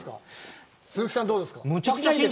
鈴木さん、どうですか。